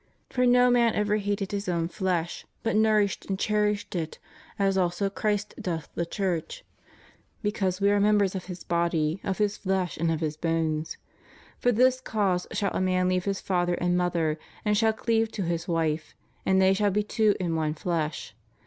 ... For no man ever hated his own flesh, but nourisheth and cherisheth it, as also Christ doth the Church; because we are members of His body, of His flesh, and of His bones. For this cause shall a man leave His father and mother, and shall cleave to his wife, and they shall be two in one flesh.